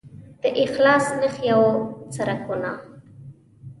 د اخلاص نښې او څرکونه